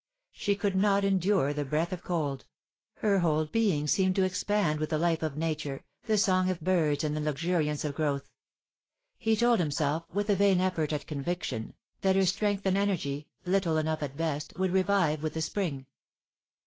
She could not endure the breath of cold; her whole being seemed to expand with the life of nature, the song of birds, and the luxuriance of growth. He told him self, with a vain effort at conviction, that her strength and energy — little enough at best— would revive with the spring.